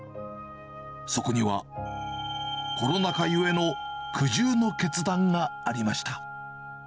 そこには、コロナ禍ゆえの苦渋の決断がありました。